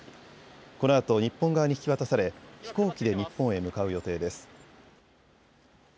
このあと日本側に引き渡され飛行機で日本へ向かう予定です。